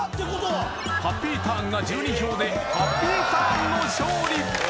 ハッピーターンが１２票でハッピーターンの勝利！